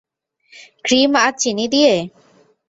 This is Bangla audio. ক্রিম আর চিনি দিয়ে?